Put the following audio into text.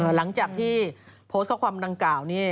หลังจากที่โพสต์ข้อความดังกล่าวนี่